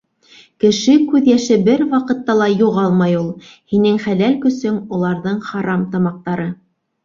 Кеше күҙ йәше бер ваҡытта ла юғалмай ул. Һинең хәләл көсөң, уларҙың харам тамаҡтары.